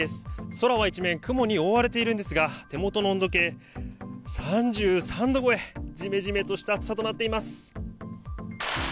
空は一面、雲に覆われているんですが、手元の温度計、３３度超え、じめじめとした暑さになっています。